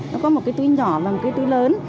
nó có một cái túi nhỏ và một cái túi lớn